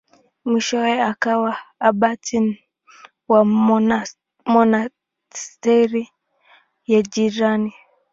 Mwishowe akawa abati wa monasteri ya jirani.